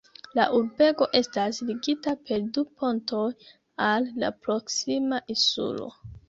La urbego estas ligita per du pontoj al la proksima insulo.